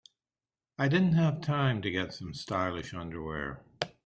I didn't have time to get some stylish underwear.